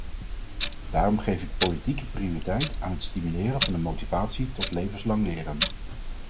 Daarom geef ik politieke prioriteit aan het stimuleren van de motivatie tot levenslang leren.